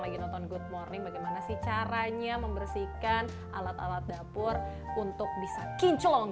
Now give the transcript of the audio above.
lagi nonton good morning bagaimana sih caranya membersihkan alat alat dapur untuk bisa kinclong